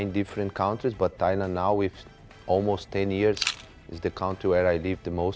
ฉันอยู่ใน๙ประเทศแต่ไทยในประมาณ๑๐ปีเป็นประเทศที่ฉันอยู่ที่สุดท้าย